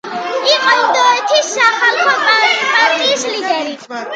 იყო ინდოეთის სახალხო პარტიის ლიდერი.